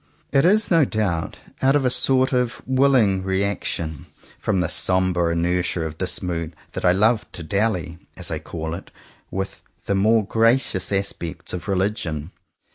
^ It is no doubt out of a sort of willing re action from the sombre inertia of this mood that I love to "dally," as I call it, with the more gracious aspects of religion.